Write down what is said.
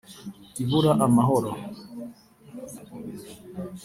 ibura amahoro